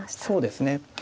そうですね。